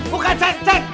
bukan ceng ceng